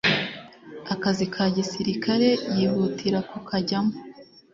akazi ka gisirikare yihutira kukajyamo